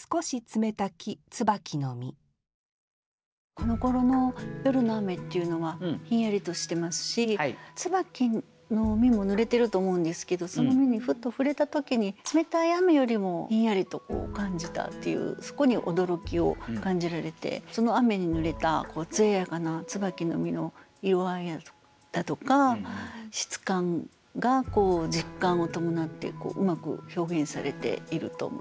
このころの夜の雨っていうのはひんやりとしてますし椿の実もぬれてると思うんですけどその実にふっと触れた時に冷たい雨よりもひんやりと感じたっていうそこに驚きを感じられてその雨にぬれたつややかな椿の実の色合いだとか質感が実感を伴ってうまく表現されていると思います。